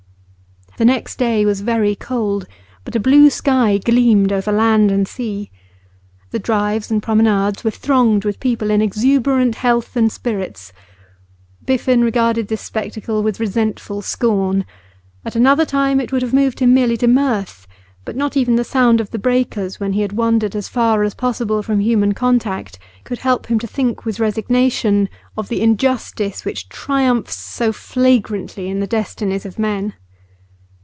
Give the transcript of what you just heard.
The next day was very cold, but a blue sky gleamed over land and sea. The drives and promenades were thronged with people in exuberant health and spirits. Biffen regarded this spectacle with resentful scorn; at another time it would have moved him merely to mirth, but not even the sound of the breakers when he had wandered as far as possible from human contact could help him to think with resignation of the injustice which triumphs so flagrantly in the destinies of men.